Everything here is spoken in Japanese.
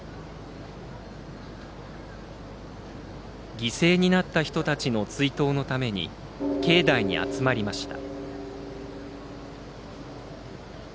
犠牲になった人たちの追悼のために境内に集まりました。